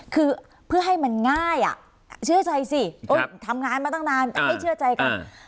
คือเพื่อให้มันง่ายอ่ะเชื่อใจสิทำงานมาตั้งนานให้เชื่อใจกัน